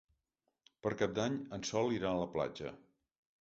Per Cap d'Any en Sol irà a la platja.